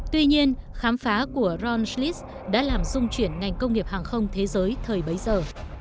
tuy nhiên khám phá của ron slis đã làm dung chuyển ngành công nghiệp hàng không thế giới thời bấy giờ